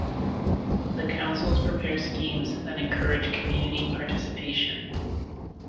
The councils prepare schemes that encourage community participation.